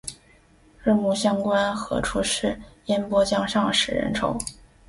日暮乡关何处是？烟波江上使人愁。